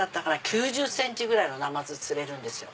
９０ｃｍぐらいのなまず釣れるんですよ。